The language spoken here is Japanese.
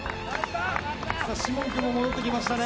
士門君も戻ってきましたね。